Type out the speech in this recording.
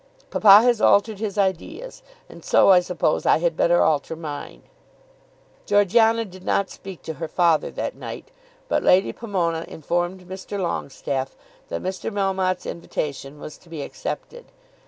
Papa has altered his ideas; and so, I suppose, I had better alter mine." Georgiana did not speak to her father that night, but Lady Pomona informed Mr. Longestaffe that Mr. Melmotte's invitation was to be accepted.